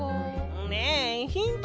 ねえヒント